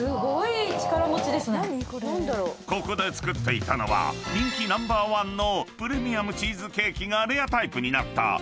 ［ここで作っていたのは人気ナンバーワンのプレミアムチーズケーキがレアタイプになった］